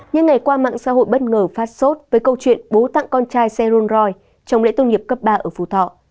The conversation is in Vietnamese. những ngày qua mạng xã hội bất ngờ phát sốt với câu chuyện bố tặng con trai xe run royte trong lễ tôn nghiệp cấp ba ở phú thọ